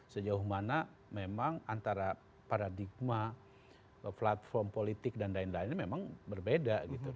sejauh mana memang antara paradigma platform politik dan lain lainnya memang berbeda gitu